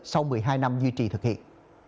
sau một mươi hai năm duy trì thực hiện